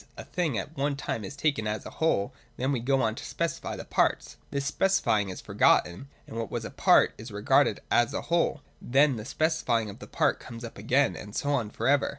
A thing at one time is taken as a whole : then we go on to specify the parts : this specifying is forgotten, and what was a part is regarded as a whole : then the specifying of the part comes up again, and so on for ever.